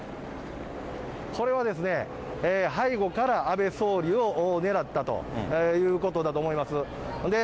これはですね、背後から安倍総理を狙ったということだと思います。